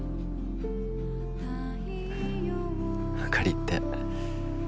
あかりって